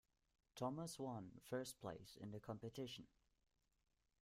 Thomas one first place in the competition.